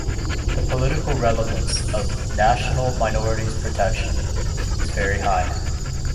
The political relevance of national minorities' protection is very high.